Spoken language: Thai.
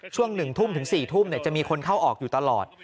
ช่วงหนึ่งทุ่มถึงสี่ทุ่มเนี่ยจะมีคนเข้าออกอยู่ตลอด